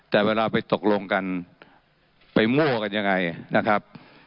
แต่เวลาไปตกลงกันไปมั่วกันยังไงนะครับ